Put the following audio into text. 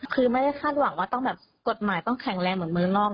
คือไม่ได้คาดหวังว่าต้องแบบกฎหมายต้องแข็งแรงเหมือนเมืองนอก